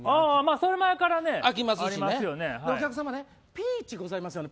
それは前からありますよね。